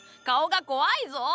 顔が怖いぞ！